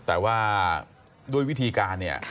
แต่ว่าด้วยวิธีการเนี่ย